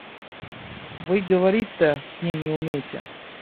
Вы и говорить-то с ним не умеете.